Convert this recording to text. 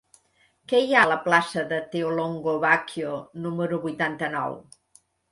Què hi ha a la plaça de Theolongo Bacchio número vuitanta-nou?